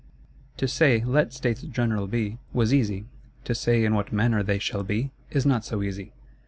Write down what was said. To say, let States General be, was easy; to say in what manner they shall be, is not so easy.